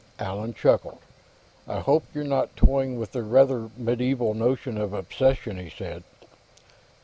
Allan chuckled. "I hope you're not toying with the rather medieval notion of possession," he said.